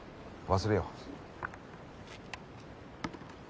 忘れよう。